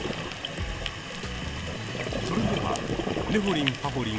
それでは「ねほりんぱほりん」